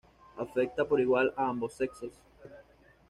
Afecta por igual a ambos sexos.